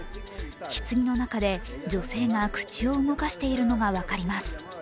ひつぎの中で女性が口を動かしているのが分かります。